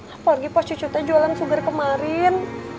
apalagi pas cucu teh jualan sugar kemarin